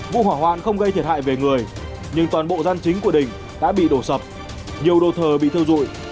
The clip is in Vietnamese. vụ hỏa hoạn không gây thiệt hại về người nhưng toàn bộ gian chính của đình đã bị đổ sập nhiều đồ thờ bị thiêu dụi